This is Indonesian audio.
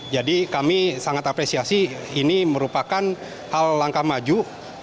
jadi kami sangat apresiasi ini merupakan hal langkah maju